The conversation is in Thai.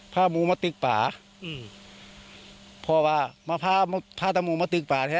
ถ้าหมู่มาตึกป่าพ่อว่าเหมาะพ่าถามหมู่มาตึกป่าทีฮะ